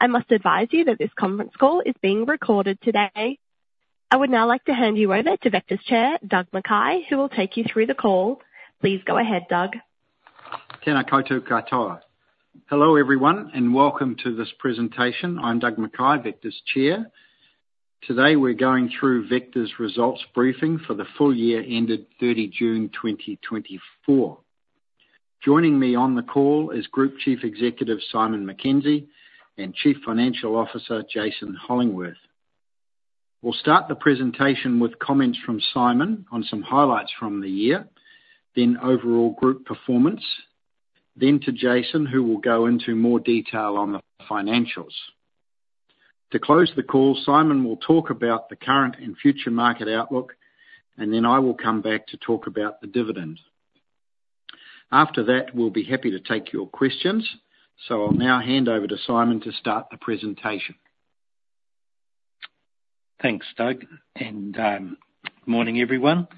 I must advise you that this conference call is being recorded today. I would now like to hand you over to Vector's Chair, Doug McKay, who will take you through the call. Please go ahead, Doug. Tena koutou katoa. Hello, everyone, and welcome to this presentation. I'm Doug McKay, Vector's Chair. Today, we're going through Vector's results briefing for the full year ended thirty June, 2024. Joining me on the call is Group Chief Executive, Simon Mackenzie, and Chief Financial Officer, Jason Hollingworth. We'll start the presentation with comments from Simon on some highlights from the year, then overall group performance, then to Jason, who will go into more detail on the financials. To close the call, Simon will talk about the current and future market outlook, and then I will come back to talk about the dividend. After that, we'll be happy to take your questions, so I'll now hand over to Simon to start the presentation. Thanks, Doug, and morning, everyone.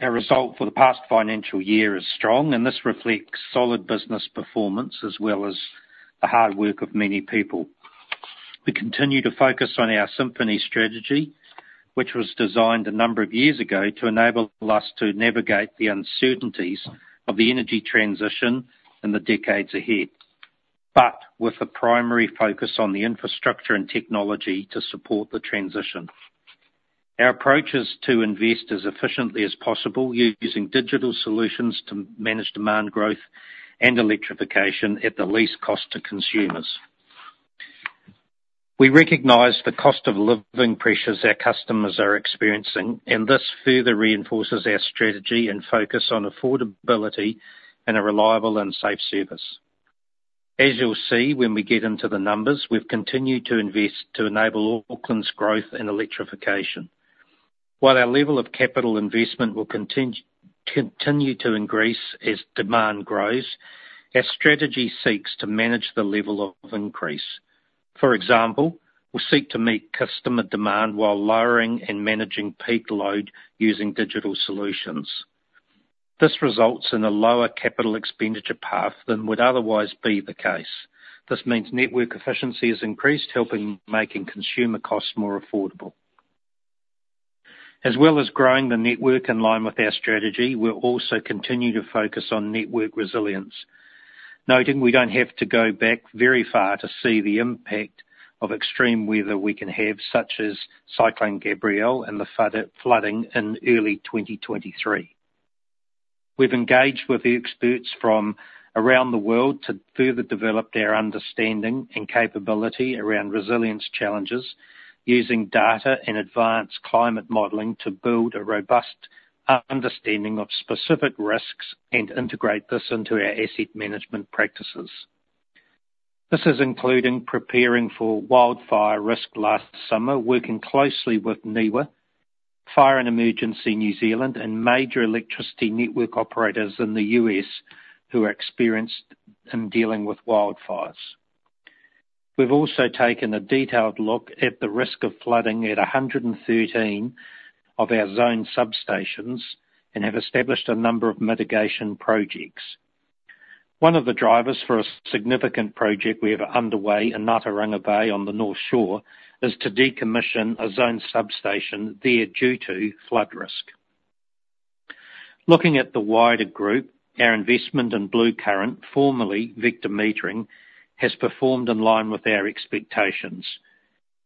Our result for the past financial year is strong, and this reflects solid business performance as well as the hard work of many people. We continue to focus on our Symphony Strategy, which was designed a number of years ago to enable us to navigate the uncertainties of the energy transition in the decades ahead, but with a primary focus on the infrastructure and technology to support the transition. Our approach is to invest as efficiently as possible, using digital solutions to manage demand growth and electrification at the least cost to consumers. We recognize the cost of living pressures our customers are experiencing, and this further reinforces our strategy and focus on affordability and a reliable and safe service. As you'll see when we get into the numbers, we've continued to invest to enable Auckland's growth and electrification. While our level of capital investment will continue to increase as demand grows, our strategy seeks to manage the level of increase. For example, we'll seek to meet customer demand while lowering and managing peak load using digital solutions. This results in a lower capital expenditure path than would otherwise be the case. This means network efficiency is increased, helping make consumer costs more affordable. As well as growing the network in line with our strategy, we'll also continue to focus on network resilience, noting we don't have to go back very far to see the impact of extreme weather we can have, such as Cyclone Gabrielle and the flooding in early 2023. We've engaged with the experts from around the world to further develop their understanding and capability around resilience challenges, using data and advanced climate modeling to build a robust understanding of specific risks and integrate this into our asset management practices. This is including preparing for wildfire risk last summer, working closely with NIWA, Fire and Emergency New Zealand, and major electricity network operators in the U.S. who are experienced in dealing with wildfires. We've also taken a detailed look at the risk of flooding at a hundred and thirteen of our zone substations and have established a number of mitigation projects. One of the drivers for a significant project we have underway in Whangaparāoa Bay on the North Shore, is to decommission a zone substation there due to flood risk. Looking at the wider group, our investment in Bluecurrent, formerly Vector Metering, has performed in line with our expectations.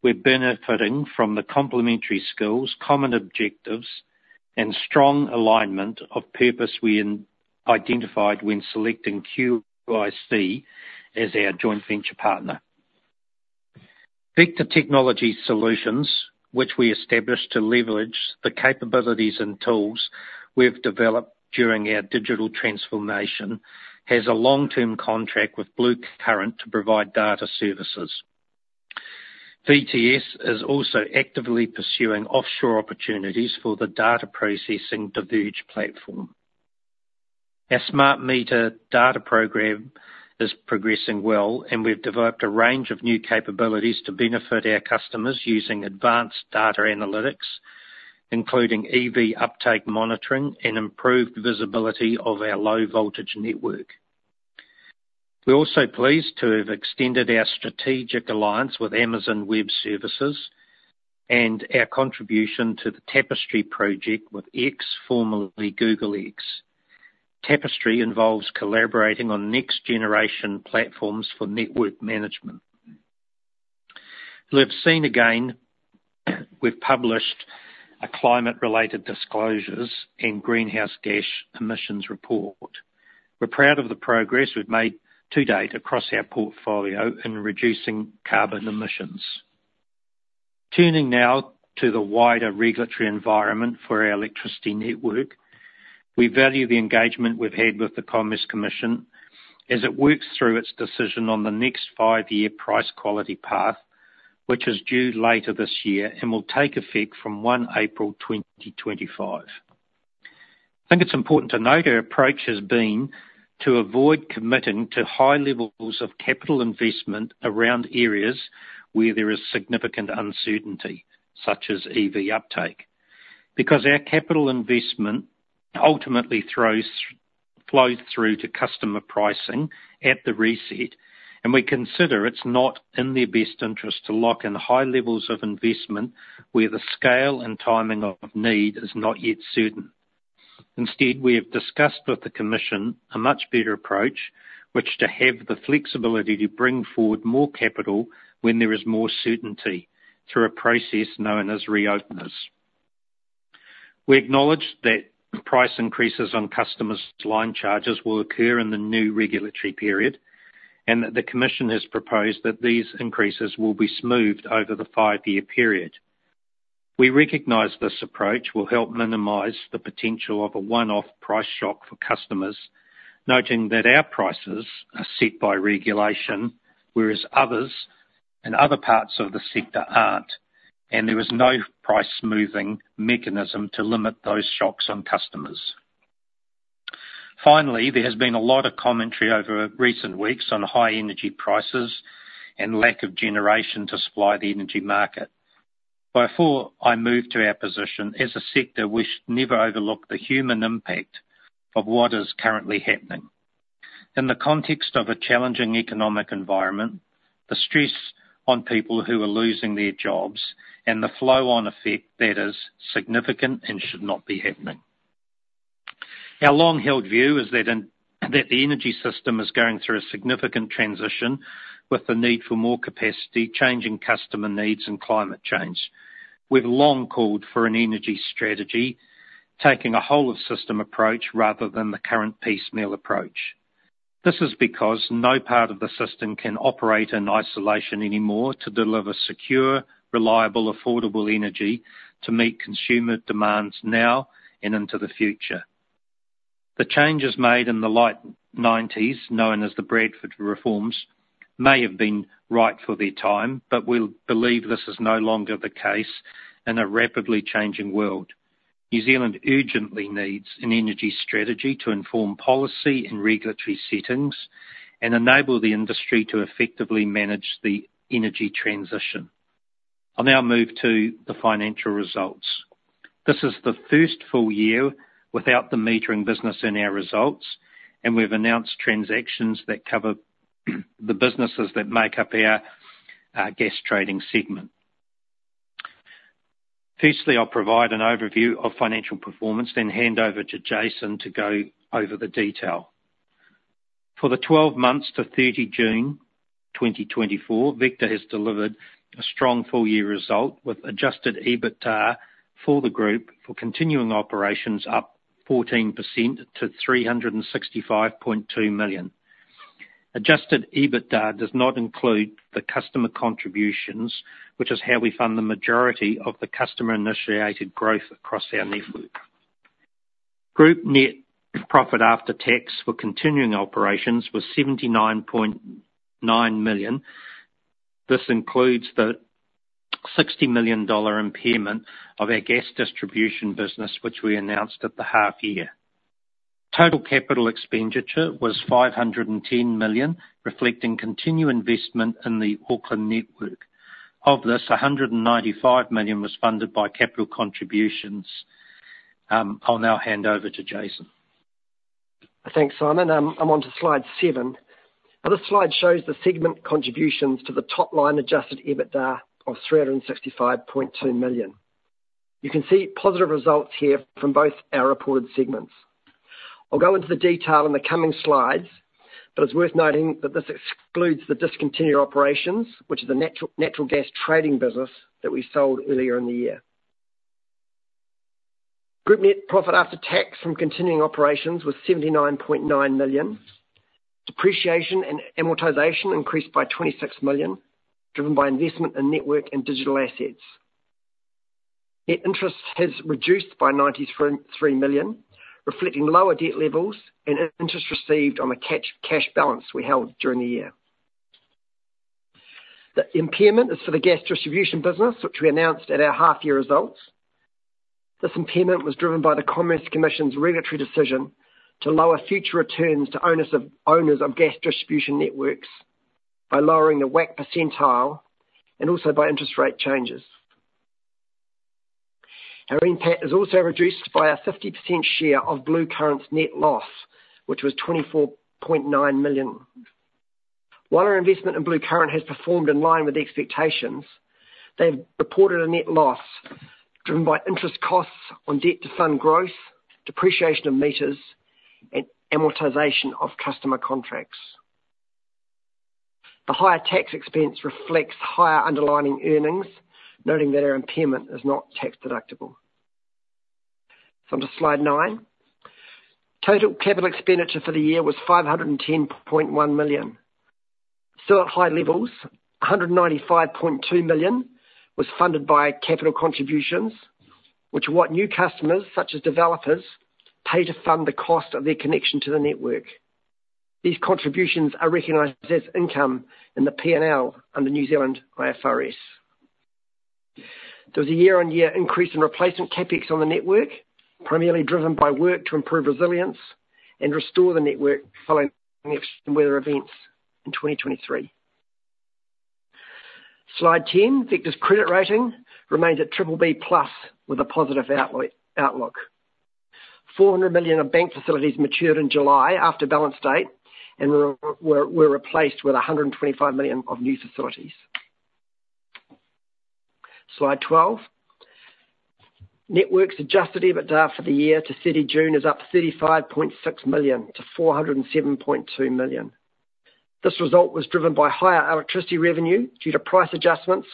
We're benefiting from the complementary skills, common objectives, and strong alignment of purpose we identified when selecting QIC as our joint venture partner. Vector Technology Solutions, which we established to leverage the capabilities and tools we've developed during our digital transformation, has a long-term contract with Bluecurrent to provide data services. VTS is also actively pursuing offshore opportunities for the data processing Diverge platform. Our smart meter data program is progressing well, and we've developed a range of new capabilities to benefit our customers using advanced data analytics, including EV uptake monitoring and improved visibility of our low voltage network. We're also pleased to have extended our strategic alliance with Amazon Web Services and our contribution to the Tapestry project with X, formerly Google X. Tapestry involves collaborating on next generation platforms for network management. We've seen again, we've published a climate-related disclosures and Greenhouse Gas Emissions report. We're proud of the progress we've made to date across our portfolio in reducing carbon emissions. Turning now to the wider regulatory environment for our electricity network, we value the engagement we've had with the Commerce Commission as it works through its decision on the next five-year price quality path, which is due later this year and will take effect from 1 April 2025. I think it's important to note, our approach has been to avoid committing to high levels of capital investment around areas where there is significant uncertainty, such as EV uptake. Because our capital investment-... Ultimately, it flows through to customer pricing at the reset, and we consider it's not in their best interest to lock in high levels of investment where the scale and timing of need is not yet certain. Instead, we have discussed with the commission a much better approach, which is to have the flexibility to bring forward more capital when there is more certainty, through a process known as reopeners. We acknowledge that price increases on customers' line charges will occur in the new regulatory period, and that the commission has proposed that these increases will be smoothed over the five-year period. We recognize this approach will help minimize the potential of a one-off price shock for customers, noting that our prices are set by regulation, whereas others, in other parts of the sector aren't, and there is no price-smoothing mechanism to limit those shocks on customers. Finally, there has been a lot of commentary over recent weeks on high energy prices and lack of generation to supply the energy market. Before I move to our position, as a sector, we should never overlook the human impact of what is currently happening. In the context of a challenging economic environment, the stress on people who are losing their jobs and the flow-on effect, that is significant and should not be happening. Our long-held view is that the energy system is going through a significant transition with the need for more capacity, changing customer needs and climate change. We've long called for an energy strategy, taking a whole of system approach rather than the current piecemeal approach. This is because no part of the system can operate in isolation anymore to deliver secure, reliable, affordable energy to meet consumer demands now and into the future. The changes made in the late nineties, known as the Bradford Reforms, may have been right for their time, but we believe this is no longer the case in a rapidly changing world. New Zealand urgently needs an energy strategy to inform policy and regulatory settings, and enable the industry to effectively manage the energy transition. I'll now move to the financial results. This is the first full year without the metering business in our results, and we've announced transactions that cover the businesses that make up our gas trading segment. Firstly, I'll provide an overview of financial performance, then hand over to Jason to go over the detail. For the twelve months to 30 June 2024, Vector has delivered a strong full year result, with adjusted EBITDA for the group for continuing operations up 14% to 365.2 million. Adjusted EBITDA does not include the customer contributions, which is how we fund the majority of the customer-initiated growth across our network. Group net profit after tax for continuing operations was 79.9 million. This includes the 60 million dollar impairment of our gas distribution business, which we announced at the half year. Total capital expenditure was 510 million, reflecting continued investment in the Auckland network. Of this, 195 million was funded by capital contributions. I'll now hand over to Jason. Thanks, Simon. I'm onto slide seven. Now, this slide shows the segment contributions to the top-line adjusted EBITDA of $365.2 million. You can see positive results here from both our reported segments. I'll go into the detail in the coming slides, but it's worth noting that this excludes the discontinued operations, which is the natural gas trading business that we sold earlier in the year. Group net profit after tax from continuing operations was $79.9 million. Depreciation and amortization increased by $26 million, driven by investment in network and digital assets. Net interest has reduced by $93.3 million, reflecting lower debt levels and an interest received on a cash balance we held during the year. The impairment is for the gas distribution business, which we announced at our half-year results. This impairment was driven by the Commerce Commission's regulatory decision to lower future returns to owners of gas distribution networks, by lowering the WACC percentile and also by interest rate changes. Our NPAT is also reduced by a 50% share of Bluecurrent's net loss, which was 24.9 million. While our investment in Bluecurrent has performed in line with the expectations, they've reported a net loss driven by interest costs on debt to fund growth, depreciation of meters, and amortization of customer contracts. The higher tax expense reflects higher underlying earnings, noting that our impairment is not tax deductible. So onto slide nine. Total capital expenditure for the year was 510.1 million. Still at high levels, 195.2 million was funded by capital contributions, which are what new customers, such as developers, pay to fund the cost of their connection to the network. These contributions are recognized as income in the P&L under New Zealand IFRS. There was a year-on-year increase in replacement CapEx on the network, primarily driven by work to improve resilience and restore the network following extreme weather events in 2023. Slide 10, Vector's credit rating remains at BBB+, with a positive outlook. 400 million of bank facilities matured in July after balance date, and were replaced with 125 million of new facilities. Slide 12. Networks' adjusted EBITDA for the year to 30 June is up 35.6 million to 407.2 million. This result was driven by higher electricity revenue due to price adjustments,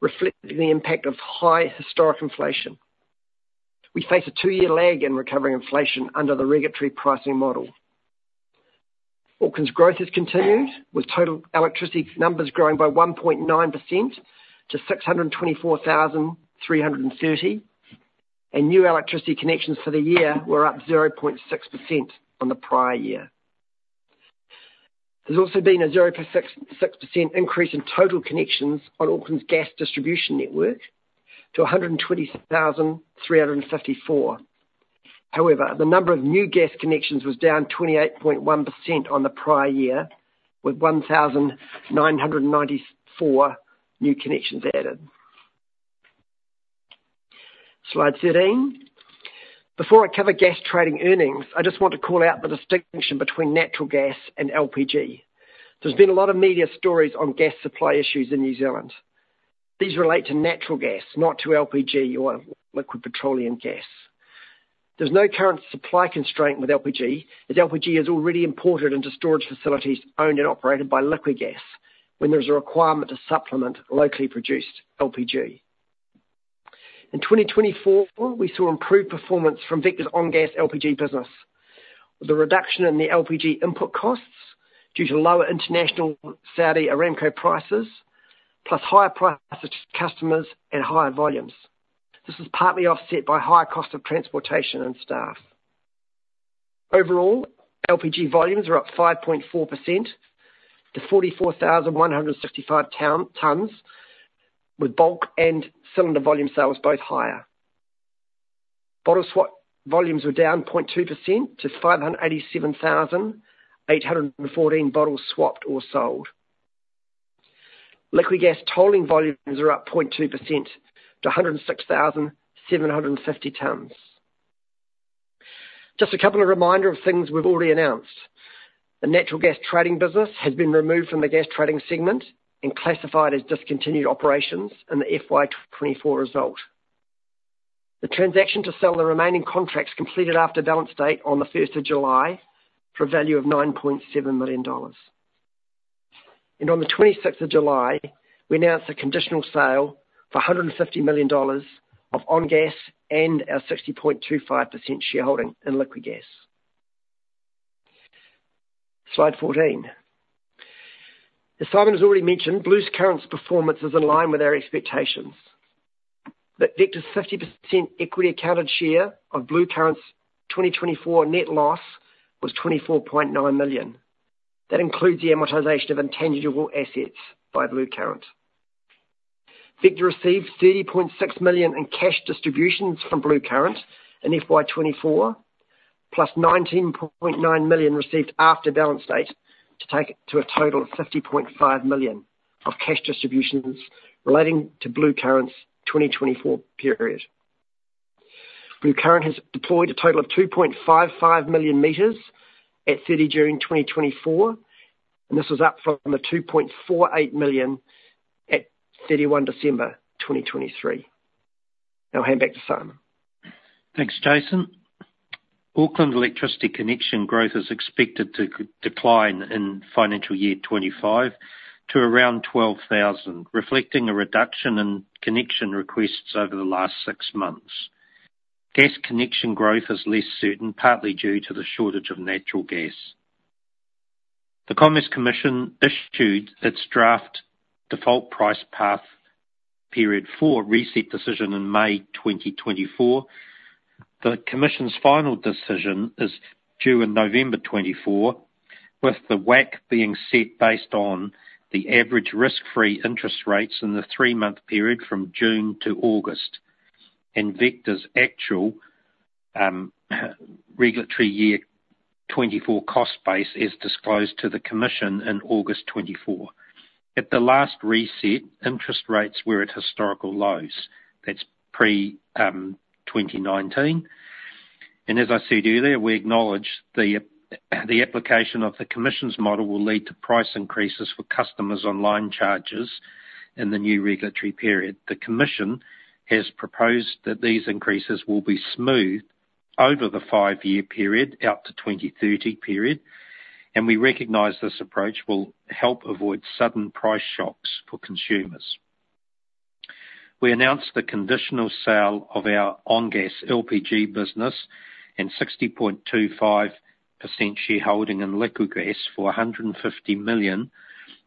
reflecting the impact of high historic inflation. We face a two-year lag in recovering inflation under the regulatory pricing model. Auckland's growth has continued, with total electricity numbers growing by 1.9% to 624,330, and new electricity connections for the year were up 0.6% on the prior year. There's also been a 0.66% increase in total connections on Auckland's gas distribution network to 120,354. However, the number of new gas connections was down 28.1% on the prior year, with 1,994 new connections added. Slide 13. Before I cover gas trading earnings, I just want to call out the distinction between natural gas and LPG. There's been a lot of media stories on gas supply issues in New Zealand. These relate to natural gas, not to LPG or liquid petroleum gas. There's no current supply constraint with LPG, as LPG is already imported into storage facilities owned and operated by Liquigas, when there is a requirement to supplement locally produced LPG. In 2024, we saw improved performance from Vector's OnGas LPG business. The reduction in the LPG input costs due to lower international Saudi Aramco prices, plus higher price to customers at higher volumes. This is partly offset by higher cost of transportation and staff. Overall, LPG volumes are up 5.4% to 44,165 tonnes, with bulk and cylinder volume sales both higher. Bottle swap volumes were down 0.2% to 587,814 bottles swapped or sold. Liquigas tolling volumes are up 0.2% to 106,750 tons. Just a couple of reminders of things we've already announced. The natural gas trading business has been removed from the gas trading segment and classified as discontinued operations in the FY 2024 result. The transaction to sell the remaining contracts completed after balance date on the first of July for a value of 9.7 million dollars. On the 26th of July, we announced a conditional sale for 150 million dollars of OnGas and our 60.25% shareholding in Liquigas. Slide 14. As Simon has already mentioned, Bluecurrent's performance is in line with our expectations, but Vector's 50% equity accounted share of Bluecurrent's 2024 net loss was 24.9 million. That includes the amortization of intangible assets by Bluecurrent. Vector received 30.6 million in cash distributions from Bluecurrent in FY 2024, plus 19.9 million received after balance date, to take it to a total of 50.5 million of cash distributions relating to Bluecurrent's 2024 period. Bluecurrent has deployed a total of 2.55 million meters at 30 June 2024, and this was up from 2.48 million at 31 December 2023. Now I'll hand back to Simon. Thanks, Jason. Auckland electricity connection growth is expected to decline in financial year 2025 to around 12,000, reflecting a reduction in connection requests over the last six months. Gas connection growth is less certain, partly due to the shortage of natural gas. The Commerce Commission issued its draft default price path, period four reset decision in May 2024. The commission's final decision is due in November 2024, with the WACC being set based on the average risk-free interest rates in the three-month period from June to August. Vector's actual regulatory year 2024 cost base is disclosed to the commission in August 2024. At the last reset, interest rates were at historical lows. That's pre-2019, and as I said earlier, we acknowledge the application of the commission's model will lead to price increases for customers on line charges in the new regulatory period. The commission has proposed that these increases will be smooth over the five-year period, out to 2030 period, and we recognize this approach will help avoid sudden price shocks for consumers. We announced the conditional sale of our OnGas LPG business and 60.25% shareholding in Liquigas for $150 million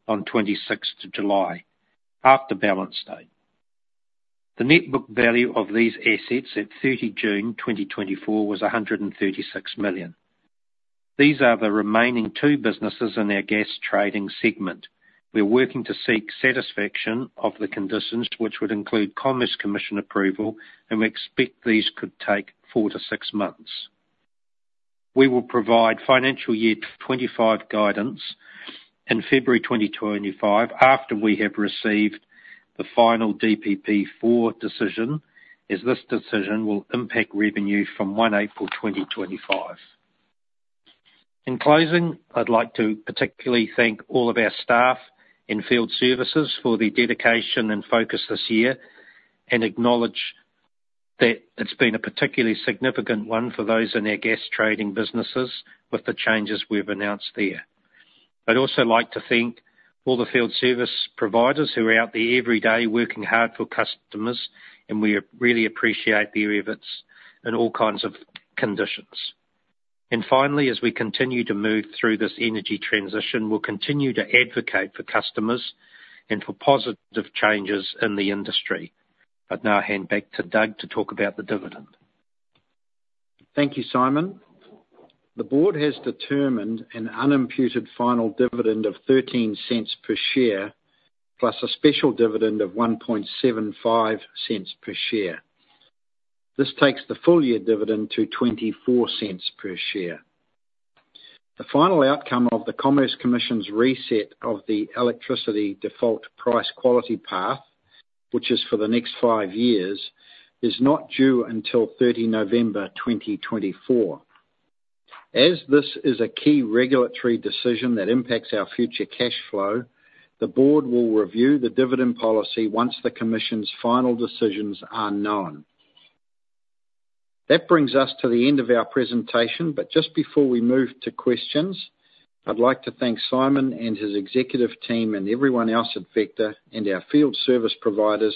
on 26th of July, after balance date. The net book value of these assets at 30 June 2024 was $136 million. These are the remaining two businesses in our gas trading segment. We're working to seek satisfaction of the conditions, which would include Commerce Commission approval, and we expect these could take four to six months. ...We will provide financial year 25 guidance in February 2025, after we have received the final DPP-4 decision, as this decision will impact revenue from one April 2025. In closing, I'd like to particularly thank all of our staff in field services for their dedication and focus this year, and acknowledge that it's been a particularly significant one for those in our gas trading businesses, with the changes we've announced there. I'd also like to thank all the field service providers who are out there every day working hard for customers, and we really appreciate their efforts in all kinds of conditions. And finally, as we continue to move through this energy transition, we'll continue to advocate for customers and for positive changes in the industry. I'd now hand back to Doug to talk about the dividend. Thank you, Simon. The board has determined an unimputed final dividend of 0.13 per share, plus a special dividend of 0.0175 per share. This takes the full year dividend to 0.24 per share. The final outcome of the Commerce Commission's reset of the electricity default price-quality path, which is for the next five years, is not due until 30 November 2024. As this is a key regulatory decision that impacts our future cash flow, the board will review the dividend policy once the commission's final decisions are known. That brings us to the end of our presentation, but just before we move to questions, I'd like to thank Simon and his executive team and everyone else at Vector, and our field service providers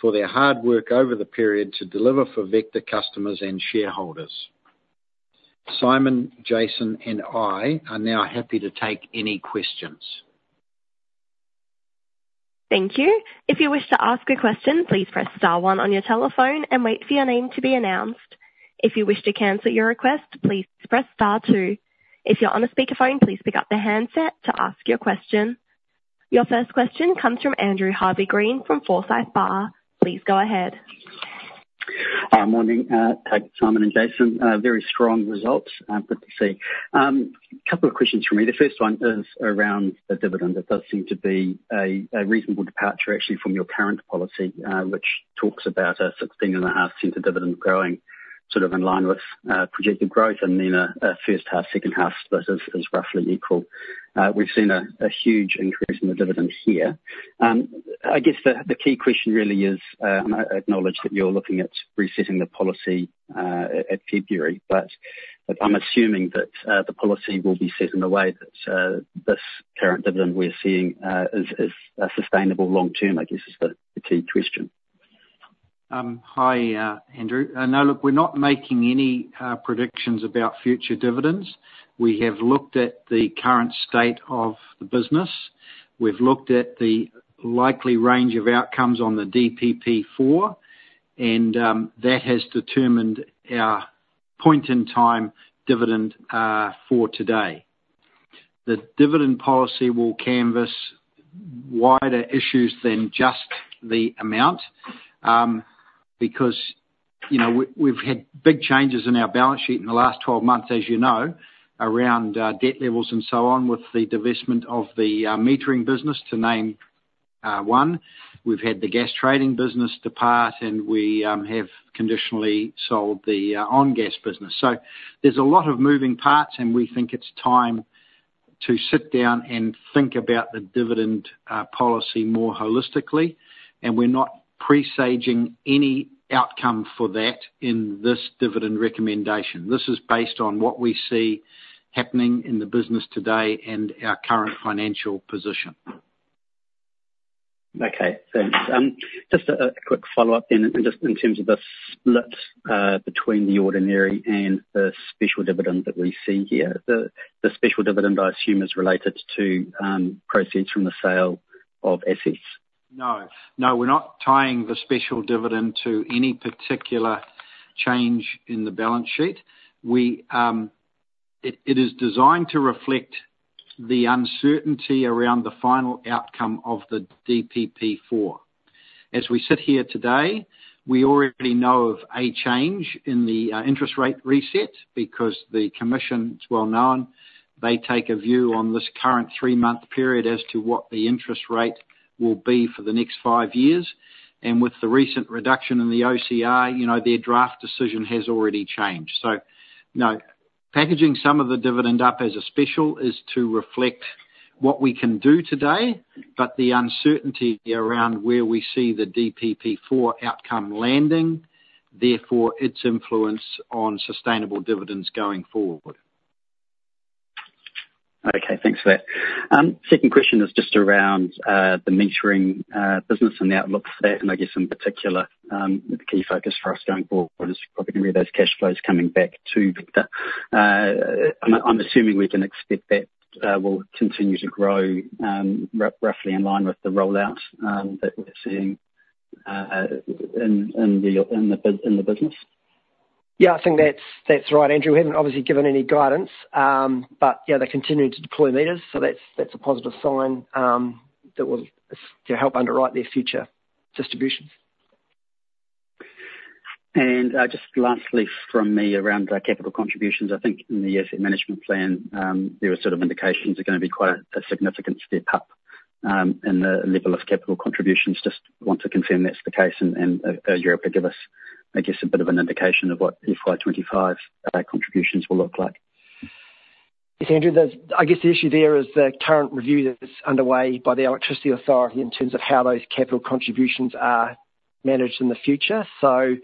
for their hard work over the period to deliver for Vector customers and shareholders. Simon, Jason, and I are now happy to take any questions. Thank you. If you wish to ask a question, please press star one on your telephone and wait for your name to be announced. If you wish to cancel your request, please press star two. If you're on a speakerphone, please pick up the handset to ask your question. Your first question comes from Andrew Harvey-Green from Forsyth Barr. Please go ahead. Morning, Doug, Simon, and Jason. Very strong results, good to see. Couple of questions from me. The first one is around the dividend. It does seem to be a reasonable departure, actually, from your current policy, which talks about a sixteen and a half cent dividend growing, sort of in line with projected growth, and then a first half, second half split is roughly equal. We've seen a huge increase in the dividend here. I guess the key question really is, and I acknowledge that you're looking at resetting the policy at February, but I'm assuming that the policy will be set in the way that this current dividend we're seeing is sustainable long term, I guess, is the key question. Hi, Andrew. No, look, we're not making any predictions about future dividends. We have looked at the current state of the business. We've looked at the likely range of outcomes on the DPP-4, and that has determined our point in time dividend for today. The dividend policy will canvas wider issues than just the amount because, you know, we've had big changes in our balance sheet in the last twelve months, as you know, around debt levels and so on, with the divestment of the metering business, to name one. We've had the gas trading business depart, and we have conditionally sold the OnGas business. So there's a lot of moving parts, and we think it's time to sit down and think about the dividend policy more holistically, and we're not presaging any outcome for that in this dividend recommendation. This is based on what we see happening in the business today and our current financial position. Okay, thanks. Just a quick follow-up then, and just in terms of the split between the ordinary and the special dividend that we see here. The special dividend, I assume, is related to proceeds from the sale of assets? No. No, we're not tying the special dividend to any particular change in the balance sheet. We. It is designed to reflect the uncertainty around the final outcome of the DPP-4. As we sit here today, we already know of a change in the interest rate reset, because the commission is well known. They take a view on this current three-month period as to what the interest rate will be for the next five years, and with the recent reduction in the OCR, you know, their draft decision has already changed. So, you know, packaging some of the dividend up as a special is to reflect what we can do today, but the uncertainty around where we see the DPP-4 outcome landing. Therefore, its influence on sustainable dividends going forward. Okay, thanks for that. Second question is just around the metering business and the outlook for that, and I guess in particular, the key focus for us going forward is probably going to be those cash flows coming back to Vector. I'm assuming we can expect that will continue to grow, roughly in line with the rollout that we're seeing in the business? Yeah, I think that's right, Andrew. We haven't obviously given any guidance, but yeah, they're continuing to deploy meters, so that's a positive sign, that will to help underwrite their future distributions.... And just lastly from me around capital contributions, I think in the asset management plan there are sort of indications are gonna be quite a significant step up in the level of capital contributions. Just want to confirm that's the case, and you're able to give us, I guess, a bit of an indication of what FY 2025 contributions will look like. Yes, Andrew, I guess the issue there is the current review that's underway by the Electricity Authority in terms of how those capital contributions are managed in the future. So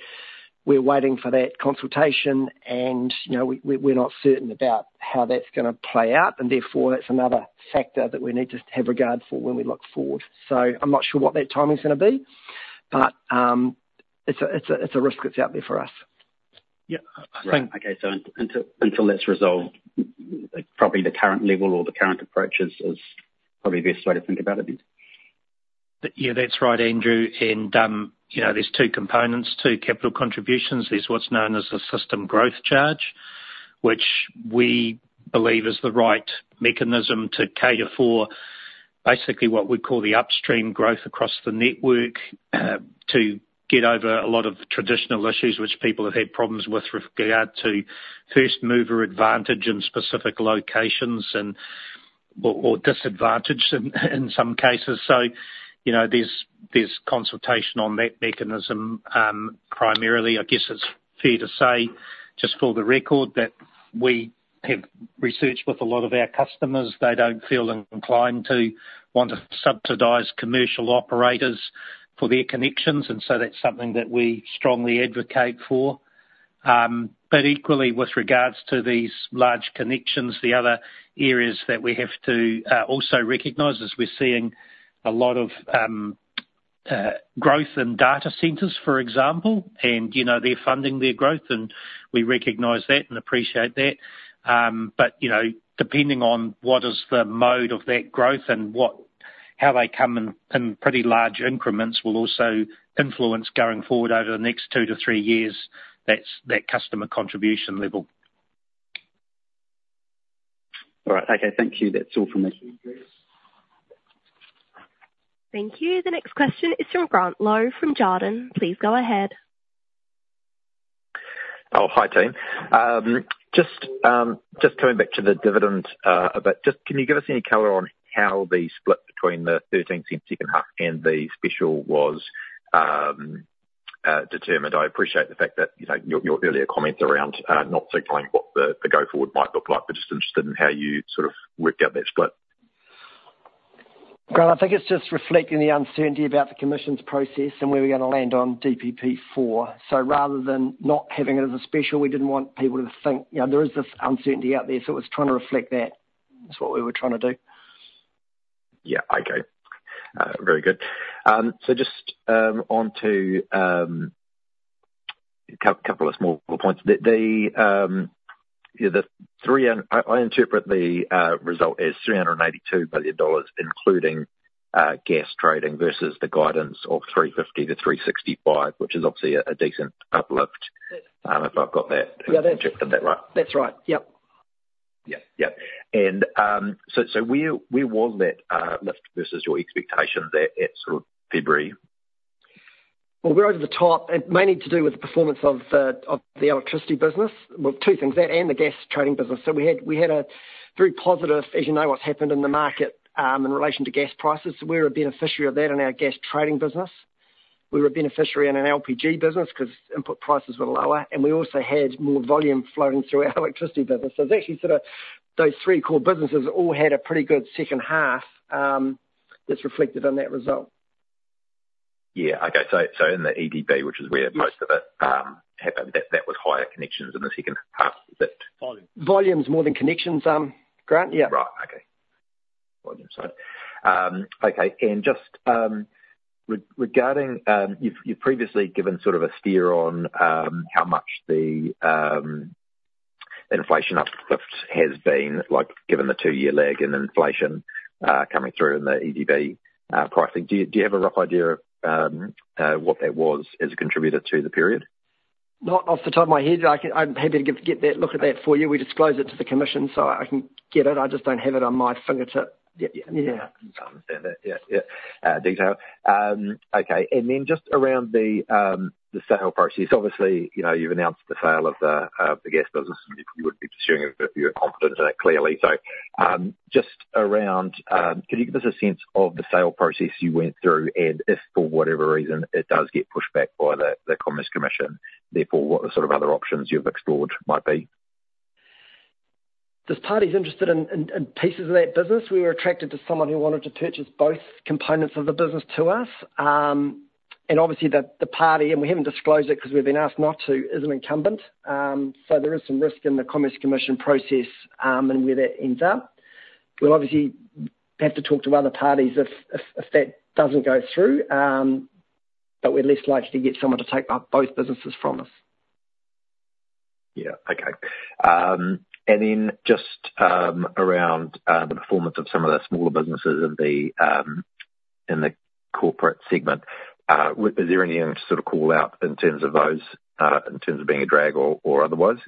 we're waiting for that consultation, and, you know, we, we're not certain about how that's gonna play out, and therefore that's another factor that we need to have regard for when we look forward. So I'm not sure what that timing's gonna be, but it's a risk that's out there for us. Yeah. I think, okay, so until that's resolved, probably the current level or the current approach is probably the best way to think about it then. Yeah, that's right, Andrew, and, you know, there's two components to capital contributions. There's what's known as the system growth charge, which we believe is the right mechanism to cater for basically what we call the upstream growth across the network, to get over a lot of traditional issues which people have had problems with regard to first mover advantage in specific locations, and or disadvantaged in some cases. So, you know, there's consultation on that mechanism. Primarily, I guess it's fair to say, just for the record, that we have researched with a lot of our customers. They don't feel inclined to want to subsidize commercial operators for their connections, and so that's something that we strongly advocate for. But equally, with regards to these large connections, the other areas that we have to also recognize is we're seeing a lot of growth in data centers, for example, and, you know, they're funding their growth, and we recognize that and appreciate that. But, you know, depending on what is the mode of that growth and what, how they come in, in pretty large increments will also influence going forward over the next two to three years, that's that customer contribution level. All right. Okay, thank you. That's all from me. Thank you. The next question is from Grant Lowe, from Jarden. Please go ahead. Oh, hi, team. Just coming back to the dividend a bit. Can you give us any color on how the split between the 0.13 second half and the special was determined? I appreciate the fact that, you know, your earlier comments around not defining what the go forward might look like, but just interested in how you sort of worked out that split. Grant, I think it's just reflecting the uncertainty about the Commission's process and where we're gonna land on DPP four. So rather than not having it as a special, we didn't want people to think, you know, there is this uncertainty out there, so it's trying to reflect that. That's what we were trying to do. Yeah, okay. Very good. So just on to couple of small points. I interpret the result as $382 billion, including gas trading, versus the guidance of $350-$365 billion, which is obviously a decent uplift. Yes. If I've got that- Yeah, that- in that right. That's right. Yep. Yeah. Yeah. And, so, where was that lift versus your expectation there at sort of February? We're over the top. It mainly to do with the performance of the electricity business. Two things, that and the gas trading business. So we had a very positive, as you know, what's happened in the market in relation to gas prices. We're a beneficiary of that in our gas trading business. We're a beneficiary in an LPG business, 'cause input prices were lower, and we also had more volume flowing through our electricity business. So it's actually sort of those three core businesses all had a pretty good second half, that's reflected in that result. Yeah. Okay. So in the EDB, which is where- Yes... most of it happened, that was higher connections in the second half, is that- Volume. Volumes more than connections, Grant? Yeah. Right. Okay. Volume, sorry. Okay. And just regarding, you've previously given sort of a steer on how much the inflation uplift has been, like, given the two-year lag in inflation coming through in the EDB pricing. Do you have a rough idea of what that was as a contributor to the period? Not off the top of my head. I'm happy to get that, look at that for you. We disclose it to the commission, so I can get it. I just don't have it at my fingertips. Yeah, yeah. Yeah. I understand that. Yeah, yeah. Detail. Okay. And then just around the sale process, obviously, you know, you've announced the sale of the gas business. You wouldn't be pursuing it if you were confident in it, clearly. So, just around, can you give us a sense of the sale process you went through, and if, for whatever reason, it does get pushed back by the Commerce Commission, therefore, what the sort of other options you've explored might be? There's parties interested in pieces of that business. We were attracted to someone who wanted to purchase both components of the business to us. Obviously the party, and we haven't disclosed it because we've been asked not to, is an incumbent. So there is some risk in the Commerce Commission process, and where that ends up. We'll obviously have to talk to other parties if that doesn't go through, but we're less likely to get someone to take on both businesses from us. Yeah. Okay. And then just around the performance of some of the smaller businesses in the corporate segment, is there anything interesting to sort of call out in terms of those, in terms of being a drag or otherwise?...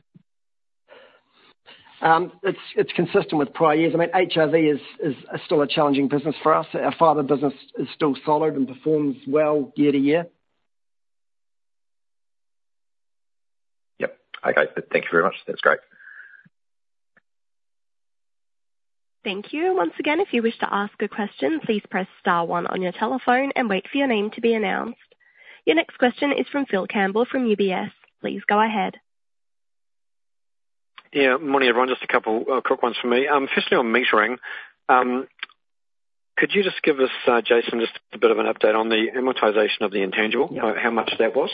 It's consistent with prior years. I mean, it is still a challenging business for us. Our fiber business is still solid and performs well year to year. Yep. Okay, thank you very much. That's great. Thank you. Once again, if you wish to ask a question, please press star one on your telephone and wait for your name to be announced. Your next question is from Phil Campbell, from UBS. Please go ahead. Yeah, morning, everyone. Just a couple quick ones for me. Firstly, on metering, could you just give us, Jason, just a bit of an update on the amortization of the intangible? Yeah. How much that was?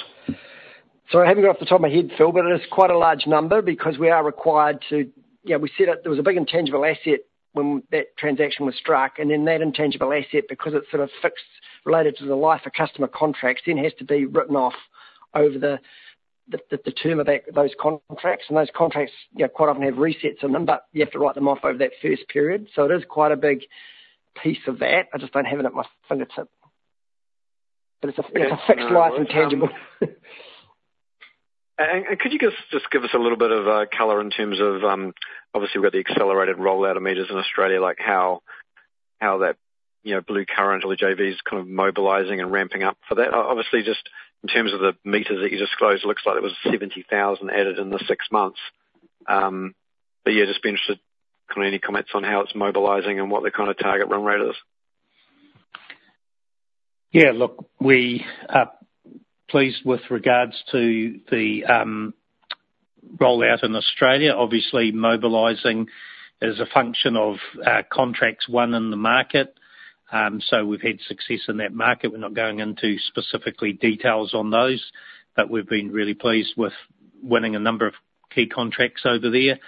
Sorry, I haven't got off the top of my head, Phil, but it is quite a large number, because we are required to. Yeah, we said that there was a big intangible asset when that transaction was struck, and then that intangible asset, because it's sort of fixed, related to the life of customer contracts, then has to be written off over the term of those contracts. And those contracts, yeah, quite often have resets in them, but you have to write them off over that first period. So it is quite a big piece of that. I just don't have it at my fingertips. But it's a fixed life intangible. Could you just give us a little bit of color in terms of, obviously, we've got the accelerated rollout of meters in Australia, like how that, you know, Bluecurrent, or the JVs, kind of mobilizing and ramping up for that? Obviously, just in terms of the meters that you just closed, it looks like there was 70,000 added in the six months. But yeah, just be interested, kind of any comments on how it's mobilizing and what the kind of target run rate is. Yeah, look, we are pleased with regards to the rollout in Australia. Obviously, mobilizing is a function of contracts won in the market. So we've had success in that market. We're not going into specifically details on those, but we've been really pleased with winning a number of key contracts over there.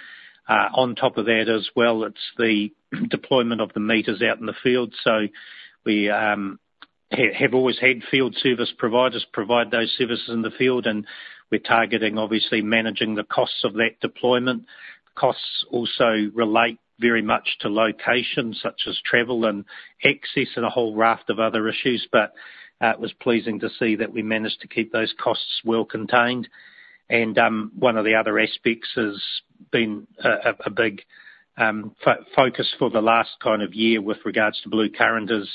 On top of that as well, it's the deployment of the meters out in the field. So we have always had field service providers provide those services in the field, and we're targeting, obviously, managing the costs of that deployment. Costs also relate very much to location, such as travel and access, and a whole raft of other issues, but it was pleasing to see that we managed to keep those costs well contained. One of the other aspects has been a big focus for the last kind of year with regards to Bluecurrent, is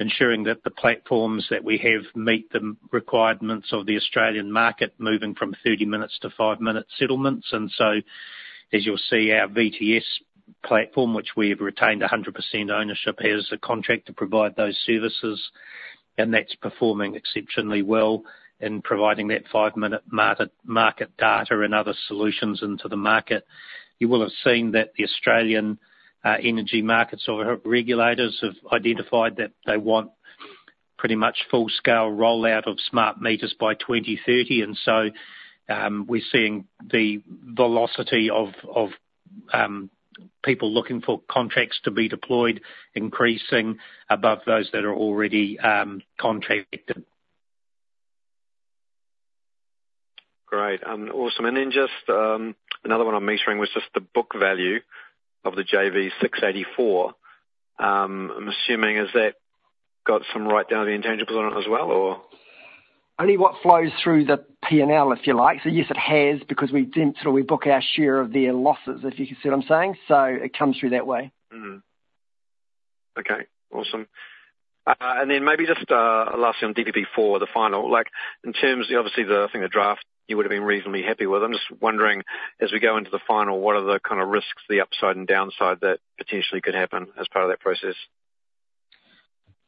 ensuring that the platforms that we have meet the requirements of the Australian market, moving from 30 minutes to 5-minute settlements. So, as you'll see, our VTS platform, which we have retained 100% ownership, has a contract to provide those services, and that's performing exceptionally well in providing that 5-minute market data and other solutions into the market. You will have seen that the Australian energy markets or regulators have identified that they want pretty much full-scale rollout of smart meters by 2030, and we're seeing the velocity of people looking for contracts to be deployed, increasing above those that are already contracted. Great. Awesome. And then just, another one on metering, was just the book value of the JV 684. I'm assuming, has that got some write down of the intangibles on it as well, or? Only what flows through the P&L, if you like, so yes, it has, because we then sort of book our share of their losses, if you see what I'm saying, so it comes through that way. Mm-hmm. Okay, awesome. And then maybe just, lastly, on DPP for the final, like, in terms, obviously the, I think the draft you would have been reasonably happy with. I'm just wondering, as we go into the final, what are the kind of risks, the upside and downside, that potentially could happen as part of that process?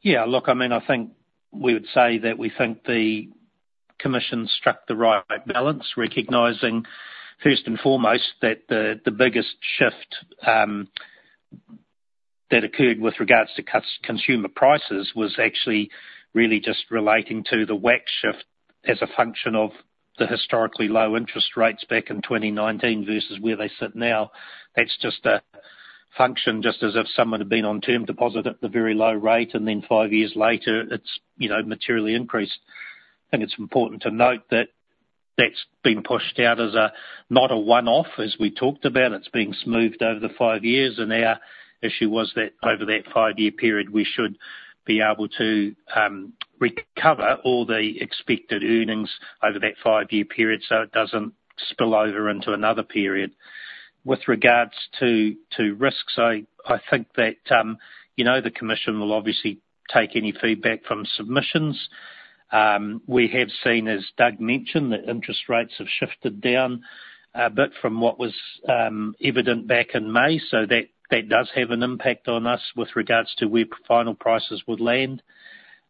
Yeah, look, I mean, I think we would say that we think the commission struck the right balance, recognizing first and foremost that the biggest shift that occurred with regards to consumer prices was actually really just relating to the WACC shift as a function of the historically low interest rates back in 2019 versus where they sit now. That's just a function, just as if someone had been on term deposit at the very low rate, and then five years later, it's, you know, materially increased. I think it's important to note that that's been pushed out as a not a one-off, as we talked about. It's being smoothed over the five years. And our issue was that over that five-year period, we should be able to recover all the expected earnings over that five-year period, so it doesn't spill over into another period. With regards to risks, I think that, you know, the commission will obviously take any feedback from submissions. We have seen, as Doug mentioned, that interest rates have shifted down a bit from what was evident back in May, so that does have an impact on us with regards to where final prices would land,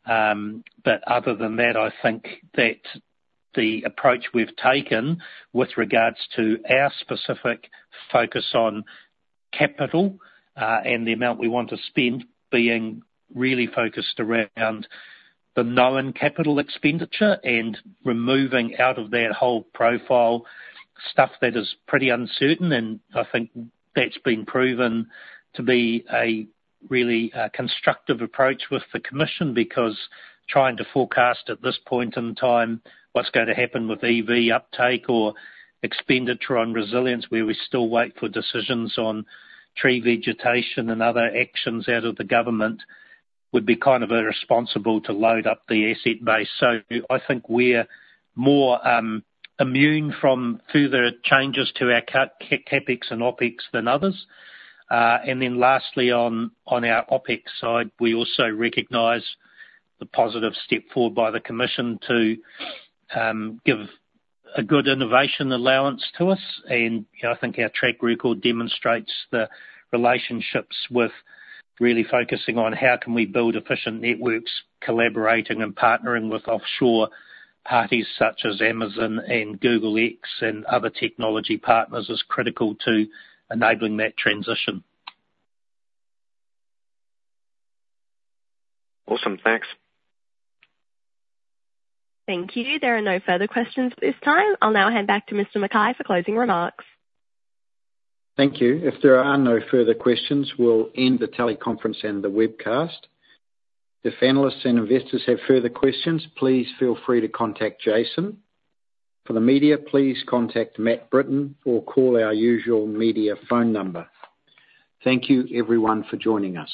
but other than that, I think that the approach we've taken with regards to our specific focus on capital, and the amount we want to spend, being really focused around the known capital expenditure, and removing out of that whole profile, stuff that is pretty uncertain. And I think that's been proven to be a really constructive approach with the commission, because trying to forecast at this point in time what's going to happen with EV uptake or expenditure on resilience, where we still wait for decisions on tree vegetation and other actions out of the government, would be kind of irresponsible to load up the asset base. So I think we're more immune from further changes to our CapEx and OpEx than others. And then lastly on our OpEx side, we also recognize the positive step forward by the commission to give a good innovation allowance to us. You know, I think our track record demonstrates the relationships with really focusing on how can we build efficient networks, collaborating and partnering with offshore parties such as Amazon and Google X and other technology partners, is critical to enabling that transition. Awesome. Thanks. Thank you. There are no further questions at this time. I'll now hand back to Mr. McKay for closing remarks. Thank you. If there are no further questions, we'll end the teleconference and the webcast. If analysts and investors have further questions, please feel free to contact Jason. For the media, please contact Matt Britton or call our usual media phone number. Thank you everyone for joining us.